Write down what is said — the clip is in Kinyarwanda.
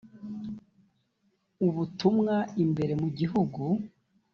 ubutumwa imbere mu gihugu